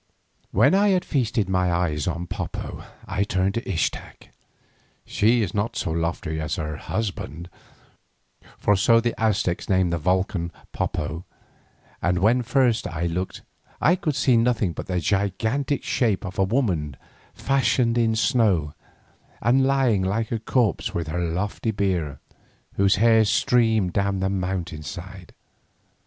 When I had feasted my eyes on Popo I turned to Ixtac. She is not so lofty as her "husband," for so the Aztecs name the volcan Popo, and when first I looked I could see nothing but the gigantic shape of a woman fashioned in snow, and lying like a corpse upon her lofty bier, whose hair streamed down the mountain side.